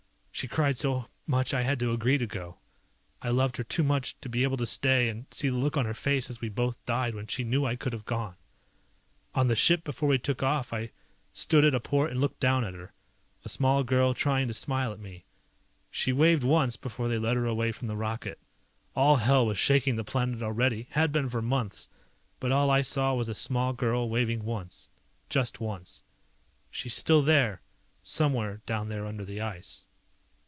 She cried so much I had to agree to go. I loved her too much to be able to stay and see the look on her face as we both died when she knew I could have gone. On the ship before we took off I stood at a port and looked down at her. A small girl trying to smile at me. She waved once before they led her away from the rocket. All hell was shaking the planet already, had been for months, but all I saw was a small girl waving once, just once. She's still here, somewhere down there under the ice."